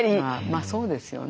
まあそうですよね。